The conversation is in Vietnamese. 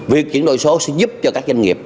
việc chuyển đổi số sẽ giúp cho các doanh nghiệp